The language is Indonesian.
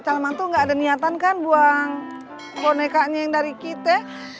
calman tuh gak ada niatan kan buang bonekanya yang dari kita